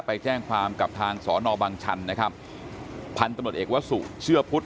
ไปแจ้งความกับทางสอนอบังชันนะครับพันธุ์ตำรวจเอกวสุเชื่อพุทธ